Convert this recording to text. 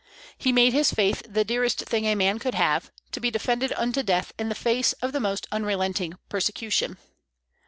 He made his faith the dearest thing a man could have, to be defended unto death in the face of the most unrelenting persecution.